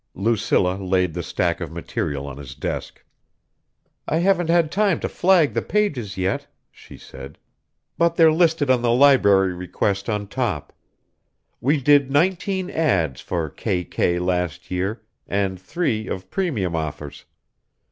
Lucilla laid the stack of material on his desk. "I haven't had time to flag the pages yet," she said, "but they're listed on the library request on top. We did nineteen ads for KK last year and three of premium offers.